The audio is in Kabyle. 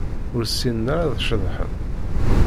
Ur ssinen ara ad ceḍḥen.